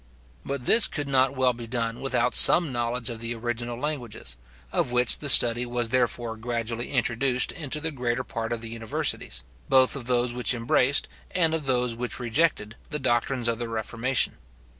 But this could not well be done without some knowledge of the original languages, of which the study was therefore gradually introduced into the greater part of universities; both of those which embraced, and of those which rejected, the doctrines of the reformation.